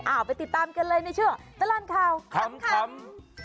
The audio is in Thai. อ้าวไปติดตามกันเลยนะเชื่อตลอดข่าวขำ